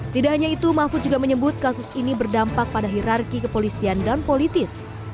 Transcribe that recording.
tidak hanya itu mahfud juga menyebut kasus ini berdampak pada hirarki kepolisian dan politis